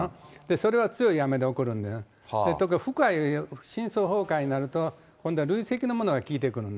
それは強い雨で起こるんで、ところが深い、深層崩壊となると、今度は累積のものがきいてくる。